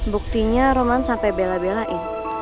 buktinya roman sampai bela belain